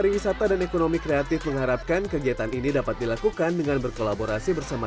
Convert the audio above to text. pariwisata dan ekonomi kreatif mengharapkan kegiatan ini dapat dilakukan dengan berkolaborasi bersama